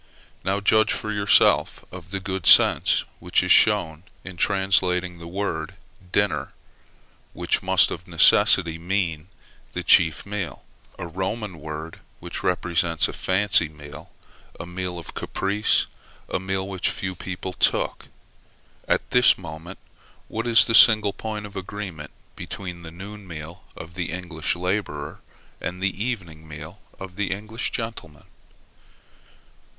Now, judge for yourself of the good sense which is shown in translating by the word dinner, which must of necessity mean the chief meal a Roman word which represents a fancy meal, a meal of caprice, a meal which few people took. At this moment, what is the single point of agreement between the noon meal of the English laborer and the evening meal of the English gentleman?